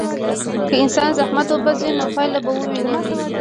که انسان زحمت وباسي، نو پایله به وویني.